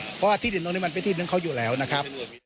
เพราะว่าที่ดินตรงนี้มันเป็นที่นึงเขาอยู่แล้วนะครับ